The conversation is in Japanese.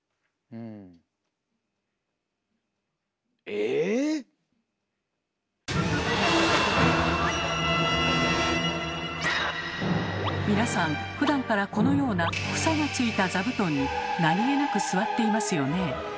えーーー⁉皆さんふだんからこのような房がついた座布団に何気なく座っていますよね。